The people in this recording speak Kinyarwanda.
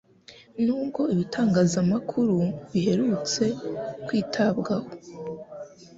Nubwo ibitangazamakuru biherutse kwitabwaho,